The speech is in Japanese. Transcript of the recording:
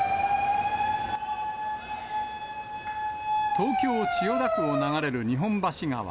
東京・千代田区を流れる日本橋川。